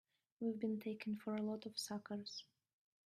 We've been taken for a lot of suckers!